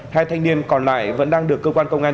hai thanh niên còn lại vẫn đang được cơ quan công an